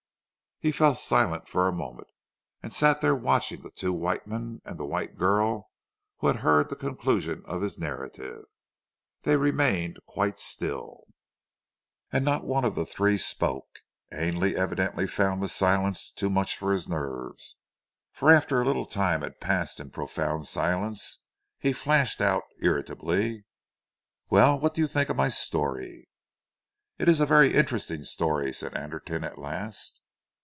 He fell silent for a moment, and sat there watching the two white men and the white girl who had heard the conclusion of his narrative. They remained quite still, and not one of the three spoke. Ainley evidently found the silence too much for his nerves, for after a little time had passed in profound silence, he flashed out irritably: "Well, what do you think of my story?" "It is a very interesting story," said Anderton at last.